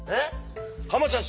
ハマちゃん